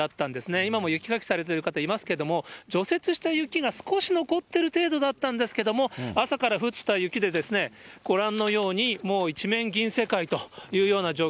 今も雪かきされている方いますけれども、除雪した雪が少し残ってる程度だったんですけれども、朝から降った雪で、ご覧のように、もう一面銀世界というような状況。